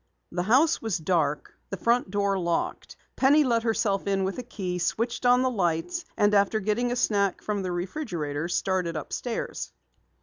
The house was dark, the front door locked. Penny let herself in with a key, switched on the lights, and after getting a snack from the refrigerator, started upstairs.